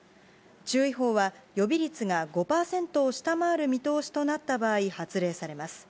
注意報は、予備率が５％を下回る見通しとなった場合、発令されます。